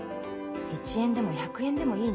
１円でも１００円でもいいの。